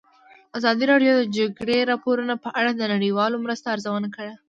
ازادي راډیو د د جګړې راپورونه په اړه د نړیوالو مرستو ارزونه کړې.